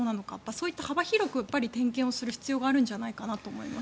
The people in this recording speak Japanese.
そういった幅広く点検をする必要があるんじゃないかと思います。